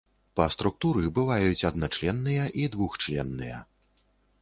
Па структуры бываюць адначленныя і двухчленныя.